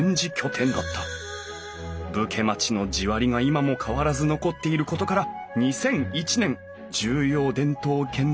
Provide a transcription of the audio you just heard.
武家町の地割が今も変わらず残っていることから２００１年重要伝統建造物